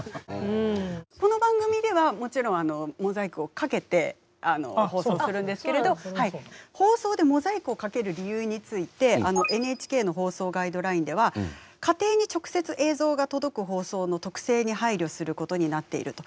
この番組ではもちろんモザイクをかけて放送するんですけれど放送でモザイクをかける理由についてＮＨＫの放送ガイドラインでは家庭に直接映像が届く放送の特性に配慮することになっていると。